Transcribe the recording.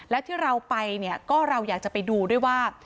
แล้วที่เราไปเนี่ยก็เราอยากจะไปดูด้วยว่า